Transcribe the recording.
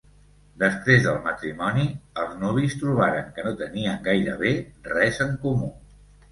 Després del matrimoni, els nuvis trobaren que no tenien gairebé res en comú.